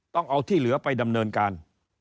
ที่เหลือไปดำเนินการ